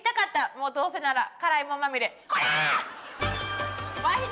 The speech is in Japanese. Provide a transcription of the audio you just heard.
もうどうせなら辛いもんまみれコラー！